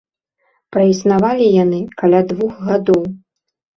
Праіснавалі яны каля двух гадоў.